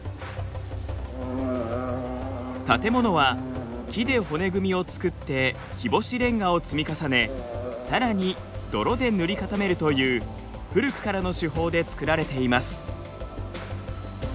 建物は木で骨組みを作って日干しレンガを積み重ねさらに泥で塗り固めるという古くからの手法で造られています。